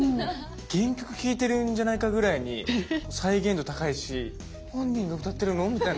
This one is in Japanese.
原曲聞いてるんじゃないかぐらいに再現度高いし本人が歌ってるの？みたいな。